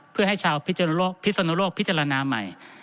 เพื่อให้ชาวพิจารณาใหม่